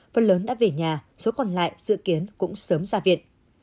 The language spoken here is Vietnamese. phần lớn đã về nhà số còn lại dự kiến cũng sớm ra viện